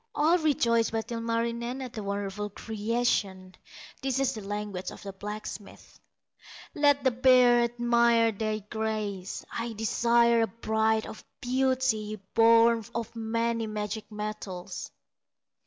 All rejoice but Ilmarinen At the wonderful creation; This the language of the blacksmith: "Let the bears admire thy graces; I desire a bride of beauty Born of many magic metals."